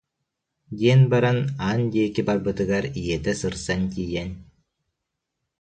диэн баран аан диэки барбытыгар ийэтэ сырсан тиийэн: